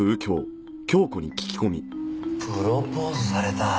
プロポーズされた？